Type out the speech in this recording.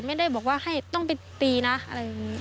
ไม่ได้บอกว่าให้ต้องไปตีนะอะไรอย่างนี้